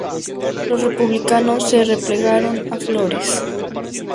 Los republicanos se replegaron a Flores.